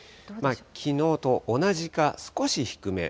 きのうと同じか、少し低め。